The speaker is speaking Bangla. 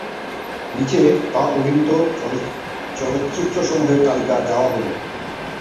নিচে তার অভিনীত চলচ্চিত্রসমূহের তালিকা দেওয়া হল।